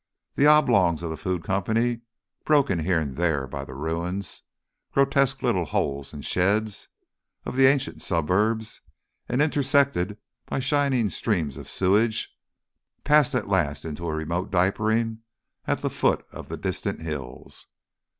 The oblongs of the Food Company, broken here and there by the ruins grotesque little holes and sheds of the ancient suburbs, and intersected by shining streams of sewage, passed at last into a remote diapering at the foot of the distant hills.